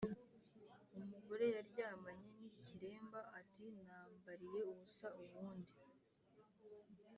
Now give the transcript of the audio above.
Umugore yaryamanye n’ikiremba ati nambariye ubusa ubundi.